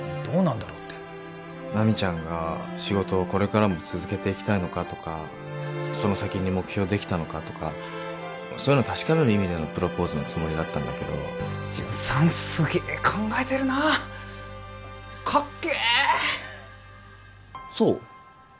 「どうなんだろう」って奈未ちゃんが仕事をこれからも続けていきたいのかとかその先に目標できたのかとかそういうの確かめる意味でのプロポーズのつもりだったんだけどジュンさんすげえ考えてるなカッケーそう？